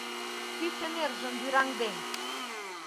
Пӱсӧ нержым вӱраҥден.